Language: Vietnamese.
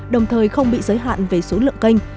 đồng thời không bị giới hạn về số lượng kênh